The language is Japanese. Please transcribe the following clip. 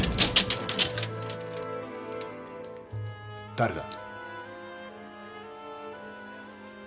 誰だ？